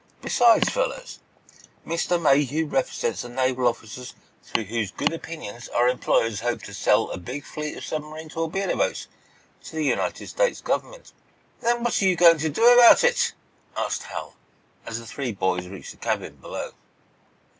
Besides, fellows, Mr. Mayhew represents the naval officers through whose good opinion our employers hope to sell a big fleet of submarine torpedo boats to the United States Government." "Then what are you going to do about it?" asked Hal, as the three boys reached the cabin below.